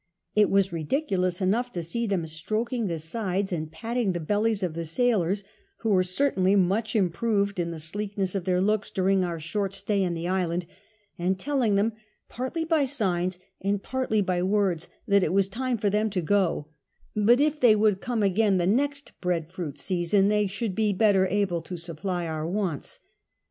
... It was ridiculous enough to see them stroking the sides and patting the bellies of the sailors (wlio wei*e certainly much iiiqiroved in the sleekness of their looks during our short stay in the island), and telling them, ])artly hy signs and partly hy words, that it was time for tliem to go, but if they would come again the next hread fruit seitson they should he better able to supply our wants.